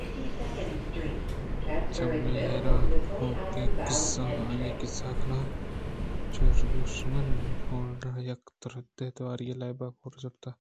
چمے حیران کنوکیں قصّہاں آئیءَ قصّہ کنان ءَ چُش گُوٛشتمن رَہوڈز(Rhodes) ءَ یک ترٛدءُ دئوری لیبےءَبہر زُرتگ ات